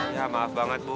ya maaf banget bu